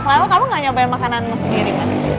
kenapa kamu gak nyobain makananmu sendiri mas